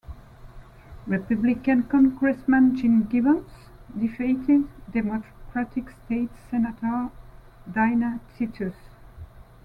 Republican Congressman Jim Gibbons defeated Democratic State Senator Dina Titus.